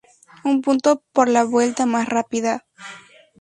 Un punto por la vuelta más rápida.